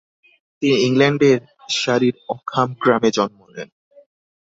তিনি ইংল্যান্ডের সারি-র অকহাম গ্রামে জন্ম নেন।